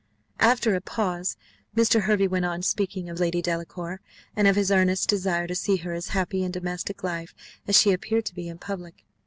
After a pause Mr. Hervey went on speaking of Lady Delacour, and of his earnest desire to see her as happy in domestic life as she appeared to be in public.